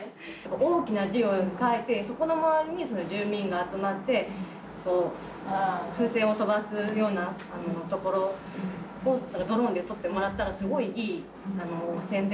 大きな字を書いてそこのまわりに住民が集まってこう風船を飛ばすようなところをドローンで撮ってもらったらすごくいい宣伝というかね